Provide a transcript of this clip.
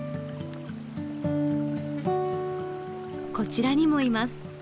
こちらにもいます。